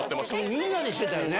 みんなでしてたよね。